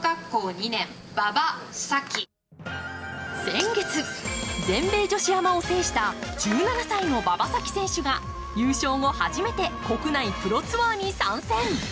先月、全米女子アマを制した１７歳の馬場咲希選手が優勝後初めて国内プロツアーに参戦。